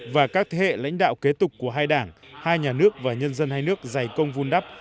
và các thế hệ lãnh đạo kế tục của hai đảng hai nhà nước và nhân dân hai nước dày công vun đắp